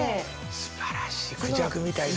すばらしい。